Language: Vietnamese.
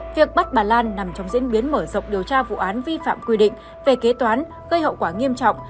việc bắt bà lan nằm trong diễn biến mở rộng điều tra vụ án vi phạm quy định về kế toán gây hậu quả nghiêm trọng